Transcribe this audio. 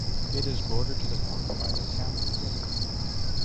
It is bordered to the north by the Tama River.